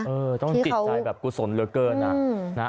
เออต้องจิตใจแบบกุศลเลือดเกินอ่ะ